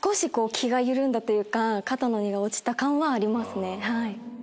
気が緩んだというか肩の荷が落ちた感はありますね。